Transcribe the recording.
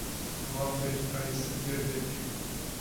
Nu am venit aici să pierdem timpul.